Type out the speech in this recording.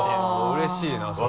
うれしいなそれは。